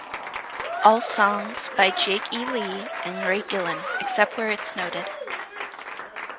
All songs by Jake E. Lee and Ray Gillen, except where it noted.